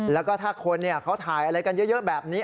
แล้วก็ถ้าคนเขาถ่ายอะไรกันเยอะแบบนี้